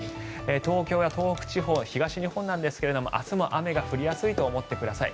東京や東北地方は東日本なんですが明日も雨が降りやすいと思ってください。